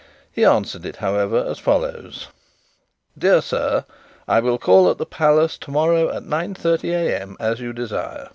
He answered it, as follows: "Dear Sir, I will call at the palace to morrow at 9.30 AM as you desire.